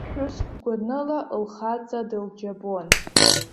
Ԥҳәыск гәаныла лхаҵа дылџьабон.